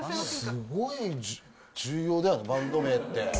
すごい重要だよね、バンド名って。